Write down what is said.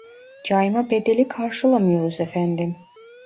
Cayma bedeli karşılamıyoruz efendim